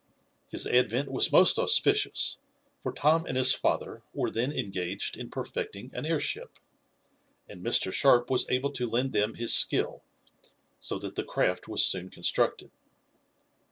His advent was most auspicious, for Tom and his father were then engaged in perfecting an airship, and Mr. Sharp was able to lend them his skill, so that the craft was soon constructed.